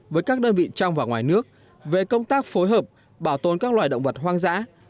với các đơn vị trong và ngoài nước về công tác phối hợp bảo tồn các loài động vật hoang dã